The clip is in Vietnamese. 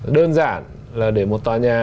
đơn giản là để một tòa nhà